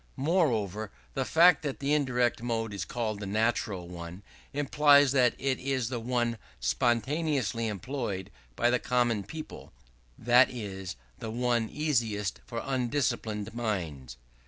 Moreover, the fact that the indirect mode is called the natural one, implies that it is the one spontaneously employed by the common people: that is the one easiest for undisciplined minds.